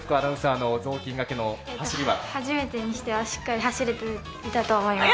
初めてにしてはしっかり走れていたと思います。